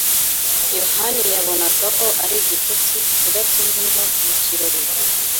yohani yabonaga ko ari igitutsi kudatumirwa mu kirori.